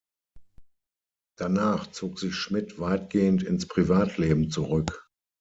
Danach zog sich Schmidt weitgehend ins Privatleben zurück.